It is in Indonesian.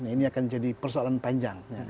ini akan jadi persoalan panjang